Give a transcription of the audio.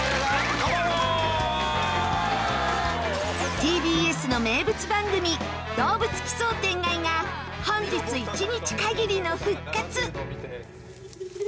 ＴＢＳの名物番組「どうぶつ奇想天外！」が本日、一日限りの復活。